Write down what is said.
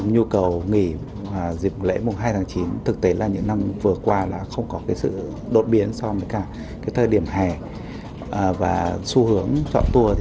nhu cầu nghỉ dịp lễ mùng hai tháng chín thực tế là những năm vừa qua là không có sự đột biến so với cả thời điểm hè và xu hướng chọn tour